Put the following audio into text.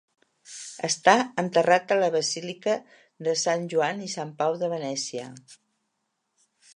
Està enterrat a la Basílica de Sant Joan i Sant Pau de Venècia.